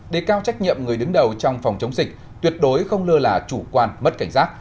để cao trách nhiệm người đứng đầu trong phòng chống dịch tuyệt đối không lơ là chủ quan mất cảnh giác